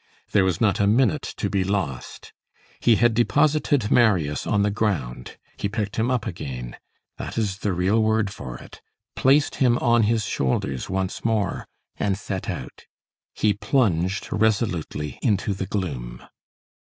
There was not a minute to be lost. He had deposited Marius on the ground, he picked him up again,—that is the real word for it,—placed him on his shoulders once more, and set out. He plunged resolutely into the gloom.